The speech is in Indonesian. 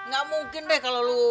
gak mungkin deh kalau lo